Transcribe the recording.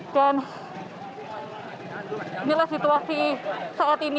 dan inilah situasi saat ini